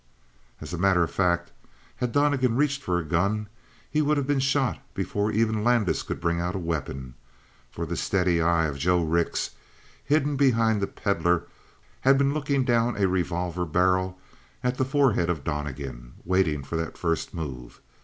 As a matter of fact, had Donnegan reached for a gun, he would have been shot before even Landis could bring out a weapon, for the steady eye of Joe Rix, hidden behind the Pedlar, had been looking down a revolver barrel at the forehead of Donnegan, waiting for that first move.